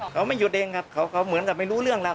เขาไม่หยุดเองครับเขาเหมือนกับไม่รู้เรื่องแล้ว